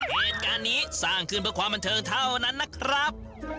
เหตุการณ์นี้สร้างขึ้นเพื่อความบันเทิงเท่านั้นนะครับ